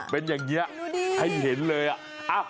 เป็นอย่างนี้ให้เห็นเลยอะ